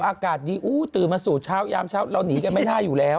อากาศดีอู้ตื่นมาสู่เช้ายามเช้าเราหนีกันไม่ได้อยู่แล้ว